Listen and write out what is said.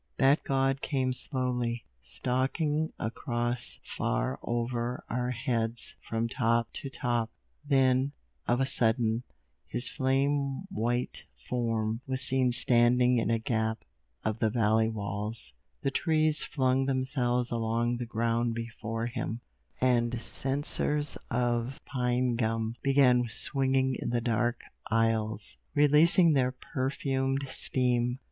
That god came slowly, stalking across far over our heads from top to top; then, of a sudden, his flame white form was seen standing in a gap of the valley walls; the trees flung themselves along the ground before him, and censers of pine gum began swinging in the dark aisles, releasing their perfumed steam.